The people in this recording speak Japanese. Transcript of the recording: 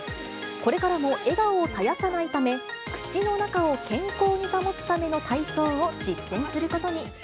これからも笑顔を絶やさないため、口の中を健康に保つための体操を実践することに。